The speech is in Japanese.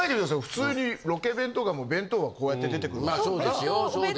普通にロケ弁とかも弁当はこうやって出てくるんですから。